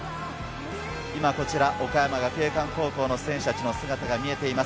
今こちら、岡山学芸館高校の選手たちの姿が見えています。